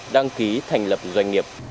đăng ký thành lập doanh nghiệp